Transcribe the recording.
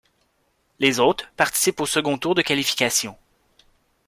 Les autres, participent au second tour de qualification.